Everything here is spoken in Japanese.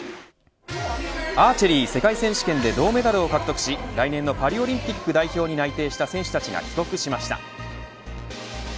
アーチェリー世界選手権で銅メダルを獲得し来年のパリオリンピック代表に内定した選手たちが帰国しました。